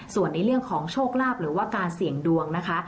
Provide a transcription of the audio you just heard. ส่วนในเรื่องของโชคลาภหรือว่าการเสี่ยงดวงนะคะ